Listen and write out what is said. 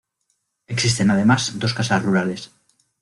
Existen además dos casas rurales.